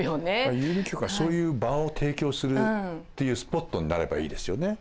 郵便局はそういう場を提供するっていうスポットになればいいですよね。